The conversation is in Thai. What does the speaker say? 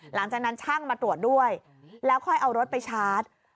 หลังจากนั้นช่างมาตรวจด้วยแล้วค่อยเอารถไปชาร์จ